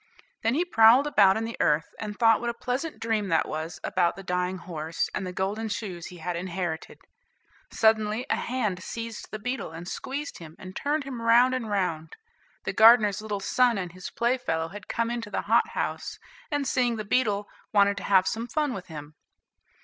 Then he prowled about in the earth, and thought what a pleasant dream that was about the dying horse, and the golden shoes he had inherited. Suddenly a hand seized the beetle, and squeezed him, and turned him round and round. The gardener's little son and his playfellow had come into the hothouse, and, seeing the beetle, wanted to have some fun with him.